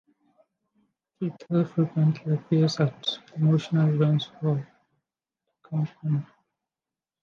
Teutul frequently appeared at promotional events for the company.